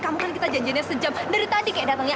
kamu kan kita janjiannya sejam dari tadi kayak datangnya